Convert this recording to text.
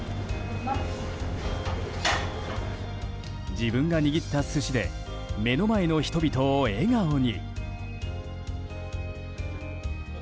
自分が握った寿司で目の前の人々を笑顔に。